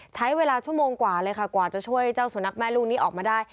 ใช้เวลาชั่วโมงกว่าเลยค่ะกว่าจะช่วยเจ้าสุนัขแม่ลูกนี้ออกมาได้